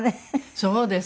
そうですね。